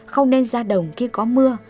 không nên ra đồng khi có mưa